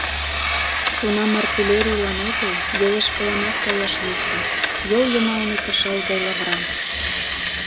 Тунам артиллерийлан огыл, йолешкыланат каяш йӧсӧ: йол йымалне кышал гай лавыра.